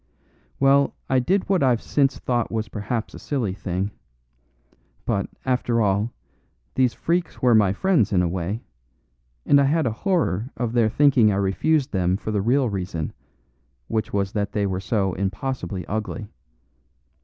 "Well, I did what I've since thought was perhaps a silly thing. But, after all, these freaks were my friends in a way; and I had a horror of their thinking I refused them for the real reason, which was that they were so impossibly ugly.